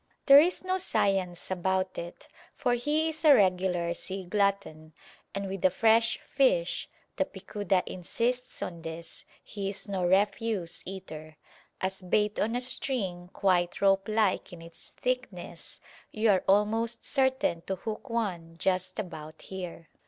There is no science about it, for he is a regular sea glutton, and with a fresh fish (the picuda insists on this: he is no refuse eater) as bait on a string quite ropelike in its thickness you are almost certain to hook one just about here.